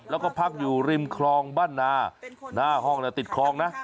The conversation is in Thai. แล้วก็พักอยู่ริมคลองบ้านนาหน้าห้องติดคลองนะ